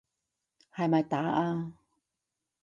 係咪打啊？